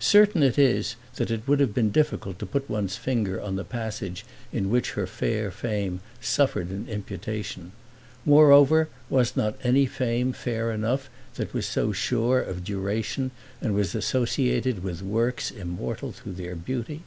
Certain it is that it would have been difficult to put one's finger on the passage in which her fair fame suffered an imputation. Moreover was not any fame fair enough that was so sure of duration and was associated with works immortal through their beauty?